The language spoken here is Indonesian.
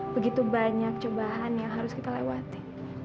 begitu banyak cobaan yang harus kita lewati